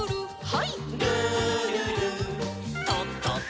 はい。